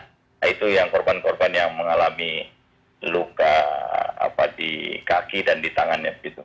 nah itu yang korban korban yang mengalami luka di kaki dan di tangannya